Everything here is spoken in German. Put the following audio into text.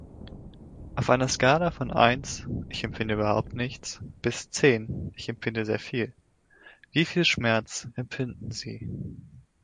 Auf einer Skala von eins (ich empfinde überhaupt nichts) bis zehn (ich empfinde sehr viel), wie viel Schmerz empfinden Sie?